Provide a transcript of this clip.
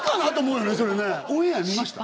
オンエア見ました？